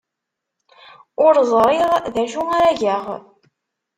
Ur ẓriɣ d acu ara geɣ.